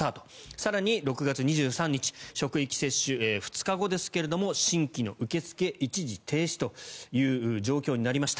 更に、６月２３日職域接種２日後ですが新規の受け付け、一時停止という状況になりました。